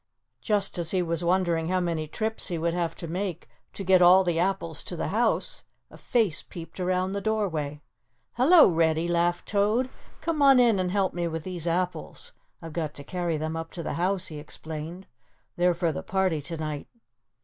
Just as he was wondering how many trips he would have to make to get all the apples to the house, a face peeped around the doorway. "Hello, Reddy," laughed Toad, "come on in and help me with these apples. I've got to carry them up to the house," he explained, "they're for the party tonight."